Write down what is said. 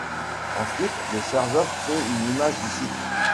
Ensuite, le serveur crée une image du site.